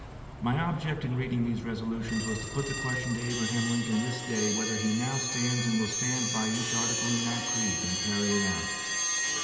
My object in reading these resolutions was to put the question to Abraham Lincoln this day, whether he now stands and will stand by each article in that creed, and carry it out.